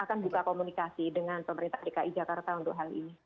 kita akan buka komunikasi dengan pemerintah dki jakarta untuk hal ini